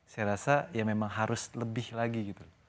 saya rasa ya memang harus lebih lagi gitu